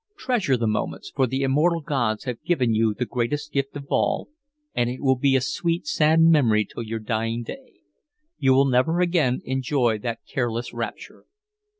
Treasure the moments, for the immortal gods have given you the Greatest Gift of All, and it will be a sweet, sad memory till your dying day. You will never again enjoy that careless rapture.